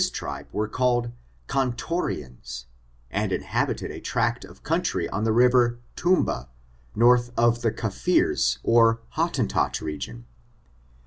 261 tribe were called Kan torrians, and inhabited a tract of country on the river Tumba, north of the Cafirees or Hottentot region.